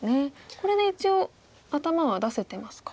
これで一応頭は出せてますか。